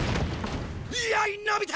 やいのび太！